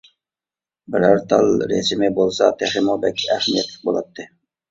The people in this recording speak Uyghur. بىرەر تال رەسىمى بولسا، تېخىمۇ بەك ئەھمىيەتلىك بولاتتى.